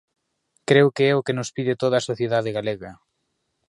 Creo que é o que nos pide toda a sociedade galega.